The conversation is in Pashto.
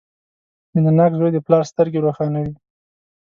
• مینهناک زوی د پلار سترګې روښانوي.